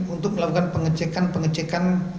untuk melakukan pengecekan pengecekan